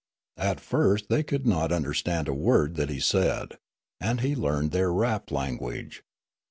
At first they could not understand a word that he said ; and he learned their rap language.